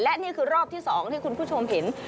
และนี่คือรอบที่๒ที่คุณผู้ชมเห็น